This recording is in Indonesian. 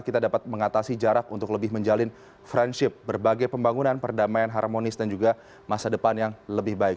kita dapat mengatasi jarak untuk lebih menjalin friendship berbagai pembangunan perdamaian harmonis dan juga masa depan yang lebih baik